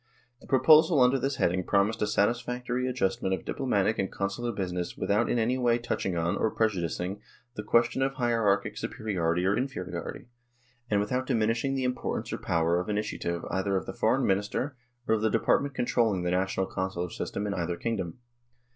The pro posal under this heading promised a satisfactory adjustment of diplomatic and Consular business without in any way touching on or prejudicing the question of hierarchic superiority or inferiority, and without diminishing the importance or power of QUESTION OF THE CONSULAR SERVICE 73 initiative either of the Foreign Minister or of the department controlling the national Consular system in either kingdom.